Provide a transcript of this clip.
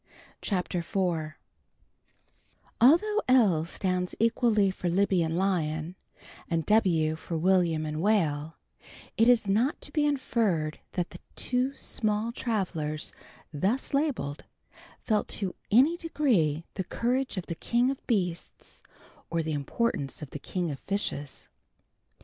CHAPTER IV ALTHOUGH L stands equally for Libby and Lion, and W for William and Whale, it is not to be inferred that the two small travelers thus labeled felt in any degree the courage of the king of beasts or the importance of the king of fishes.